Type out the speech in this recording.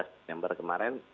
tiga belas september kemarin